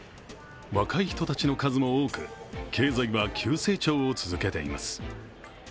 若い人たちの数も多く、経済は急成長を続けています。